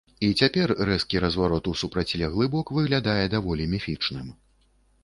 І цяпер рэзкі разварот у супрацьлеглы бок выглядае даволі міфічным.